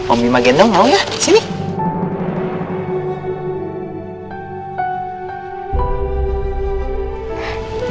om bima gendong mau ya sini